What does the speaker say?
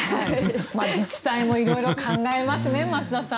自治体も色々考えますね増田さん。